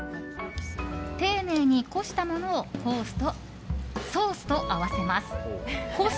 丁寧にこしたものをソースと合わせます。